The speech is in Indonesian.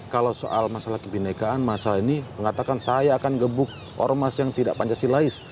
kalau soal masalah kebinekaan masalah ini mengatakan saya akan gebuk ormas yang tidak pancasilais